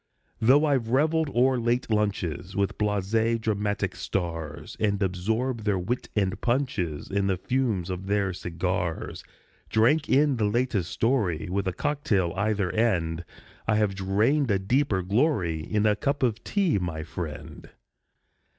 Though I've reveled o'er late lunches With blasé dramatic stars, And absorbed their wit and punches And the fumes of their cigars Drank in the latest story, With a cock tail either end, I have drained a deeper glory In a cup of tea, my friend.